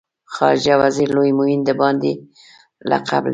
خارجه وزیر لوی معین د باندې لقب لري.